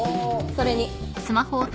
それに。